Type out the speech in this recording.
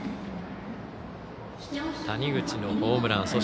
谷口のホームラン。